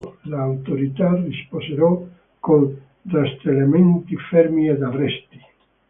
Le autorità risposero con rastrellamenti, fermi ed arresti.